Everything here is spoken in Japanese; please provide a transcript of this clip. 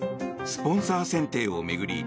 スポンサー選定を巡り